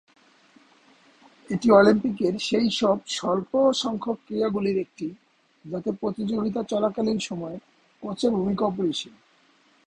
এটি অলিম্পিকের সেই সব স্বল্প সংখ্যক ক্রীড়া গুলির একটি, যাতে, প্রতিযোগিতা চলাকালীন কোচের ভূমিকা অপরিসীম।